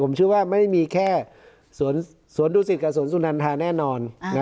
ผมเชื่อว่าไม่มีแค่สวนดูสิทธิ์การสวนสุนรรภาพแน่นอนอ่า